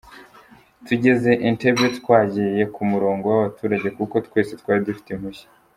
Tugeze Entebbe, twagiye ku murongo w’abaturage kuko twese twari dufite impushya”